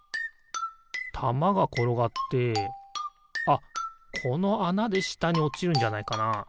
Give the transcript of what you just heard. たまがころがってあっこのあなでしたにおちるんじゃないかな？